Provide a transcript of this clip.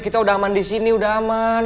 kita udah aman disini udah aman